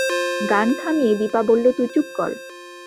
গান থামিয়ে দিপা বলল, তুই চুপ কর।